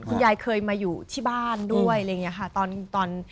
ยายเคยมาอยู่ที่บ้านด้วยอะไรอย่างนี้ค่ะ